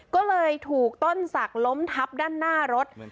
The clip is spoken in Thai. ก็เลยถูกต้นศักดิ์ล้มทับด้านหน้ารถ